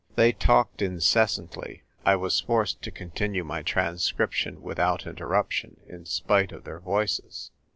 They talked incessantly ; I was forced to con tinue my transcription without interruption, in spite of their voices.